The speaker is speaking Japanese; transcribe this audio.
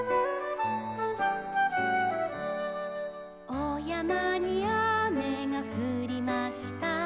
「おやまにあめがふりました」